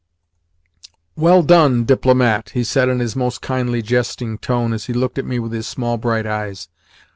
"Well done, DIPLOMAT!" he said in his most kindly jesting tone as he looked at me with his small bright eyes.